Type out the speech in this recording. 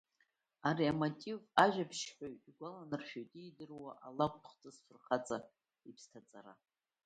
Абри амотив ажәабжьҳәаҩ игәаланаршәоит иидыруа алакәтә хҭыс афырхаҵа иԥсҭаҵара.